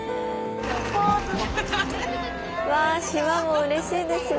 わ島もうれしいですね